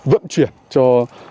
vận chuyển cho